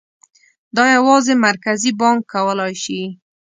دا یوازې مرکزي بانک کولای شي.